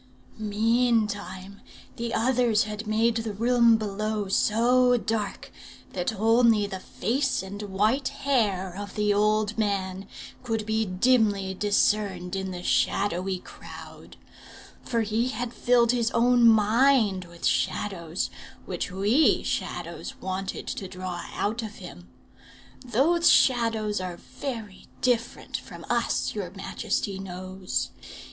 "Meantime the others had made the room below so dark, that only the face and white hair of the old man could be dimly discerned in the shadowy crowd. For he had filled his own mind with shadows, which we Shadows wanted to draw out of him. Those shadows are very different from us, your majesty knows.